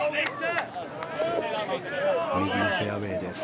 右のフェアウェーです。